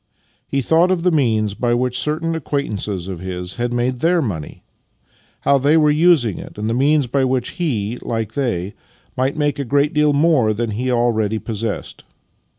He thought of the means by which certain acquaint ances of his had made their money, how they were using it, and the means by which he, like they, might make a great deal more than he already possessed.